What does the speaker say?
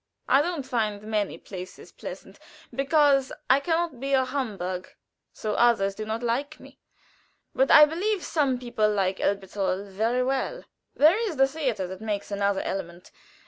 I don't find many places pleasant, because I can not be a humbug, so others do not like me. But I believe some people like Elberthal very well. There is the theater that makes another element.